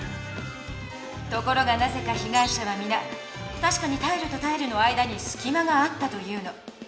ところがなぜかひがい者はみな「たしかにタイルとタイルの間にすきまがあった」と言うの。